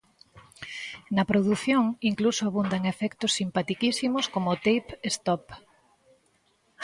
Na produción incluso abundan efectos simpatiquísimos como o Tape Stop.